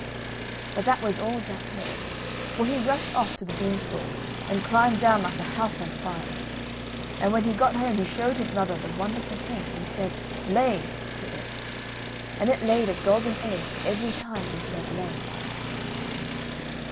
But that was all Jack heard, for he rushed off to the beanstalk and climbed down like a house on fire. And when he got home he showed his mother the wonderful hen and said "Lay," to it; and it laid a golden egg every time he said "Lay."